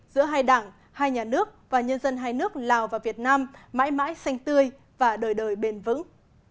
giữa hai đảng hai nhà nước và nhân dân hai nước lào và việt nam mãi mãi xanh tươi và đời đời bền vững